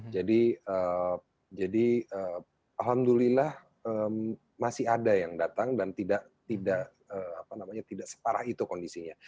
jadi alhamdulillah masih ada yang datang dan tidak separah itu kondisinya